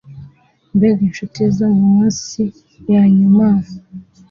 Mbega inshuti zo muminsi ya nyuma